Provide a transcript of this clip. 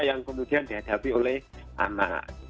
yang kemudian dihadapi oleh anak